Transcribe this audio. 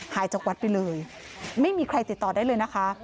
หายจากวัดไปเลยไม่มีใครติดต่อได้เลยนะคะ